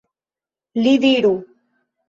Li diru!